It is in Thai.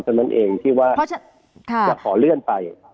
เท่านั้นเองที่ว่าจะขอเลื่อนไป